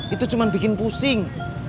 itu cuma bikin pusing